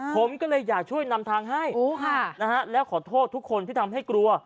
อ่าผมก็เลยอยากช่วยนำทางให้โอ้ค่ะนะฮะแล้วขอโทษทุกคนที่ทำให้กลัว